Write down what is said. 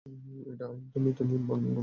এটাই আইন, তুমিতো নিয়মগুলো জানো।